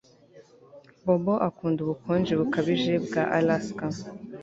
Bobo akunda ubukonje bukabije bwa Alaska